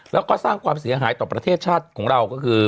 แล้วก็สร้างความเสียหายต่อประเทศชาติของเราก็คือ